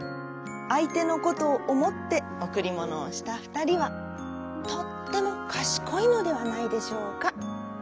あいてのことをおもっておくりものをしたふたりはとってもかしこいのではないでしょうか。